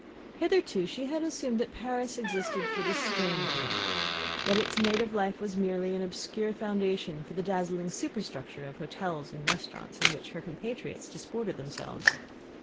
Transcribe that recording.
Hitherto she had assumed that Paris existed for the stranger, that its native life was merely an obscure foundation for the dazzling superstructure of hotels and restaurants in which her compatriots disported themselves.